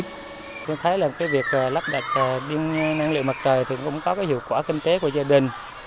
tôi thấy việc lắp đặt điện năng lượng mặt trời cũng có hiệu quả kinh tế của gia đình